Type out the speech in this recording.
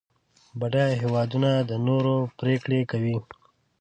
بډایه هېوادونه د نورو پرېکړې کوي.